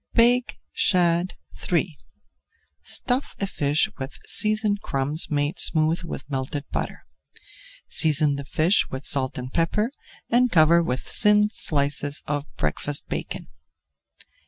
BAKED SHAD III Stuff a fish with seasoned crumbs made smooth with melted butter. Season the fish with salt and pepper and cover with thin slices of breakfast bacon.